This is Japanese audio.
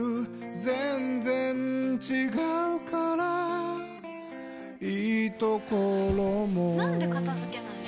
全然違うからいいところもなんで片付けないの？